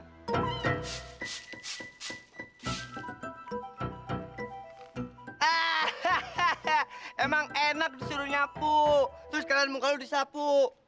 ahahaha emang enak disuruh nyapu terus kalian muka lu disapu